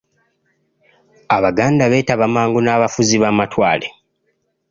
Abaganda beetaba mangu n'abafuzi b'amatwale .